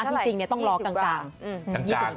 อาทารักษณ์จริงต้องรอกลาง